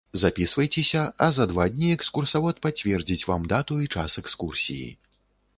Запісвайцеся, а за два дні экскурсавод пацвердзіць вам дату і час экскурсіі.